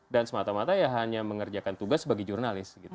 dan semata mata ya hanya mengerjakan tugas sebagai jurnalis